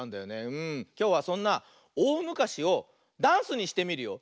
きょうはそんな「おおむかし」をダンスにしてみるよ。